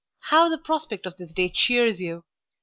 How the prospect of this day cheers you!